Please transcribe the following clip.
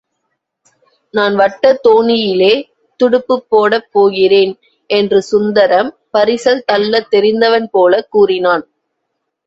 நான் வட்டத் தோணியிலே துடுப்புப் போடப் போகிறேன் என்று சுந்தரம், பரிசல் தள்ளத் தெரிந்தவன் போலக் கூறினான்.